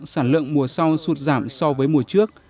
sản lượng mùa sau sụt giảm so với mùa trước